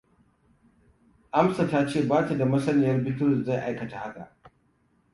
Amsa ta ce bata da masaniyar Bitrus zai aikata haka.